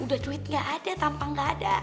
udah cuyit gak ada tampang gak ada